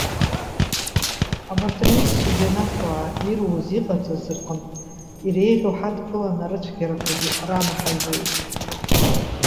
Абарҭ рҩызцәа џьанаҭуаа, ируз, иҟарҵаз рҟынтә, иреиӷьу ҳадкыланы, рыцәгьарақәагьы ранаҳажьуеит.